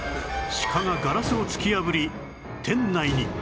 シカがガラスを突き破り店内に